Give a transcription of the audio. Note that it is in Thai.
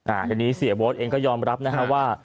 อันนี้เสียโบ๊ทเองก็ยอมรับนะฮะว่า